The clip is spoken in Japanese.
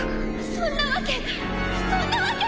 そんなわけそんなわけ。